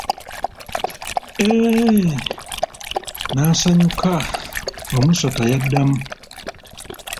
Eee, naasanyuka, Wamusota yaddamu.